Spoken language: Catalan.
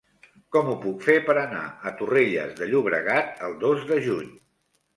Com ho puc fer per anar a Torrelles de Llobregat el dos de juny?